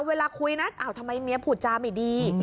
เวลาคุยน่ะทำไมเมียผู้จาไม่ดี